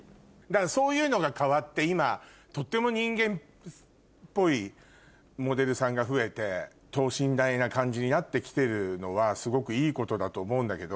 そういうのが変わって今とっても人間っぽいモデルさんが増えて等身大な感じになってきてるのはすごくいいことだと思うんだけど。